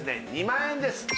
２万円です